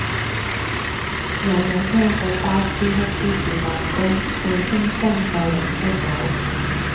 有冇聽過巴斯克芝士蛋糕，號稱新手零失手